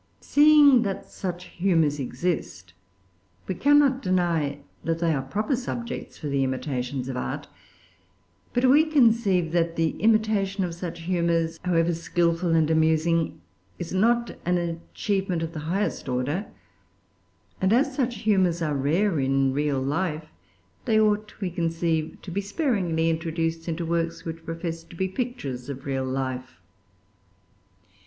Seeing that such humors exist, we cannot deny that they are proper subjects for the imitations of art. But we conceive that the imitation of such humors, however skilful and amusing, is not an achievement of the highest order; and, as such humors are rare in real life, they ought, we conceive, to be sparingly introduced into works which profess to be pictures of real life.